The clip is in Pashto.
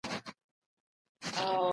افغانان د خپلو ټپیانو ساتنې ته مخه کړه.